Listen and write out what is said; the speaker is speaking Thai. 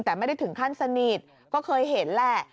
แต่ไม่ได้ถึงขั้นสนิทก็เคยเห็นแหละ